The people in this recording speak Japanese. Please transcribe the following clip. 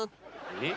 えっ？